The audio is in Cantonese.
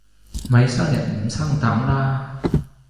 咪生人唔生膽啦